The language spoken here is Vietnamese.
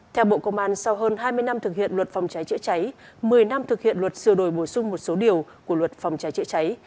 theo bộ công an sau hơn hai mươi năm thực hiện luật phòng cháy chữa cháy một mươi năm thực hiện luật sửa đổi bổ sung một số điều của luật phòng cháy chữa cháy